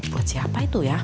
buat siapa itu ya